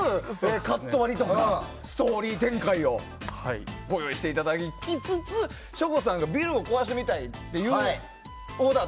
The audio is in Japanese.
カット割りとかストーリー展開をご用意していただきつつ省吾さんがビルを壊してみたいというオーダーをね。